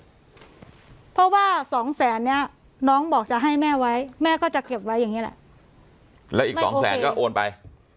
เพราะว่าสองแสนเนี้ยน้องบอกจะให้แม่ไว้แม่ก็จะเก็บไว้อย่างนี้แหละแล้วอีกสองแสนก็โอนไป